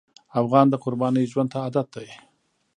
افغان د قربانۍ ژوند ته عادت دی.